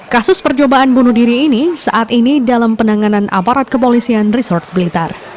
kasus percobaan bunuh diri ini saat ini dalam penanganan aparat kepolisian resort blitar